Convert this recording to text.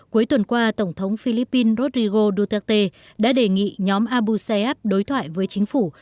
cuối tuần qua tổng thống philippines rodrigo duterte đã đề nghị nhóm abu sayyaf đối thoại với chính phủ